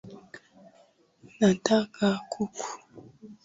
Nataka kuku